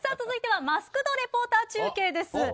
続いてはマスクド・レポーター中継です。